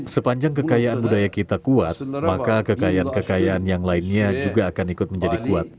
sepanjang kekayaan budaya kita kuat maka kekayaan kekayaan yang lainnya juga akan ikut menjadi kuat